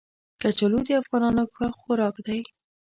کچالو د افغانانو خوښ خوراک دی